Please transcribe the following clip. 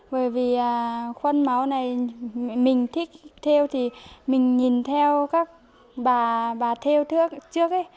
bởi vì khuôn máu này mình thích theo thì mình nhìn theo các bà theo trước ấy